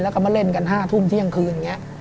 แล้วก็มาเล่นกัน๕ทุ่มที่ยังคืน